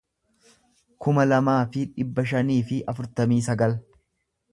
kuma lamaa fi dhibba shanii fi afurtamii sagal